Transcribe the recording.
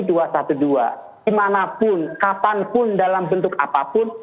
dimanapun kapanpun dalam bentuk apapun